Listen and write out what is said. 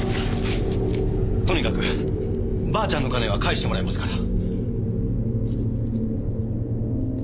とにかくばあちゃんの金は返してもらいますから。